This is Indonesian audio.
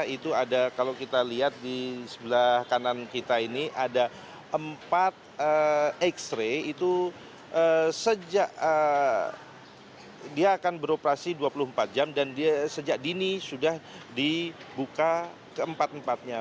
itu ada kalau kita lihat di sebelah kanan kita ini ada empat x ray itu sejak dia akan beroperasi dua puluh empat jam dan dia sejak dini sudah dibuka keempat empatnya